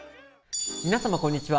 皆様こんにちは。